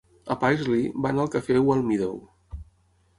A Paisley, va anar al Café Wellmeadow.